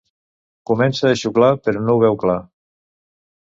Comença a xuclar però no ho veu clar.